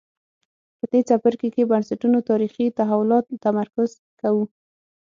په دې څپرکي کې بنسټونو تاریخي تحولاتو تمرکز کوو.